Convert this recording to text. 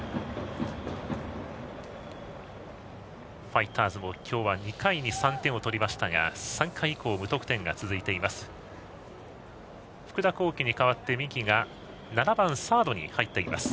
ファイターズも今日は２回に３点を取りましたが３回以降、無得点が続いています。